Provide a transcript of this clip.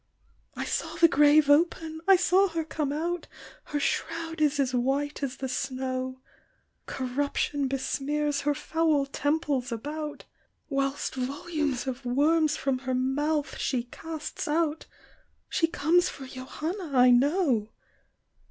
" I saw the grave open ! I saw her come out ! Her shroud is as white as the snow • Corruption besmears her foul temples about, 120 THE WHITE WOMAN. Whilst volumes of worms from her mouth she casts out, She comes for Johanna I know.